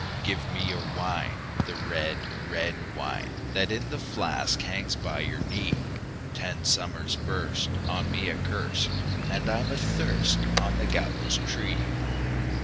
"Give me your wine, the red, red wine, That in the flask hangs by your knee! Ten summers burst on me accurst, And I'm athirst on the gallows tree."